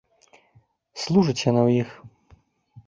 Служыць яна ў іх.